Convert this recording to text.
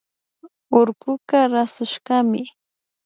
Urkuka rasushkami